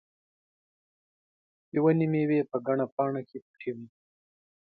د ونې مېوې په ګڼه پاڼه کې پټې وې.